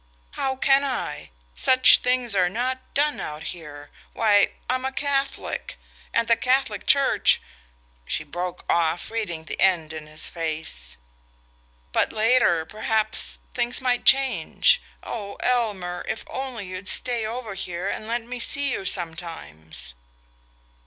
"How can I? Such things are not done out here. Why, I'm a Catholic; and the Catholic Church " She broke off, reading the end in his face. "But later, perhaps ... things might change. Oh, Elmer, if only you'd stay over here and let me see you sometimes!"